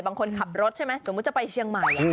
บางคนขับรถใช่ไหมสมมุติจะไปเชียงใหม่